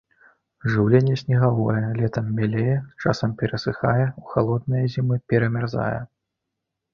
Жыўленне снегавое, летам мялее, часам перасыхае, у халодныя зімы перамярзае.